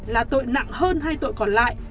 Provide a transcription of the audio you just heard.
là tội nặng hơn hai tội còn lại